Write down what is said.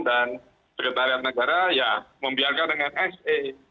dan sekretariat negara ya membiarkan dengan sa